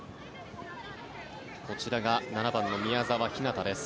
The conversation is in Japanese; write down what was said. こちらが７番の宮澤ひなたです。